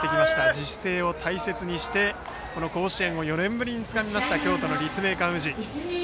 自主性を大切にしてこの甲子園を４年ぶりにつかんだ京都の立命館宇治。